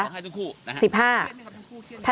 ร้องไห้ทุกคู่นะฮะ